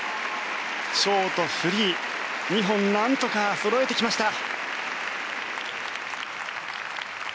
ショート、フリー２本なんとかそろえてきました。